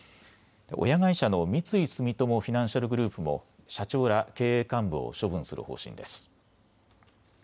親会社の三井住友フィナンシャルグループも社長ら経営幹部を処分する方針です。